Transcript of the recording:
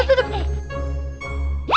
tutup ya tutup ya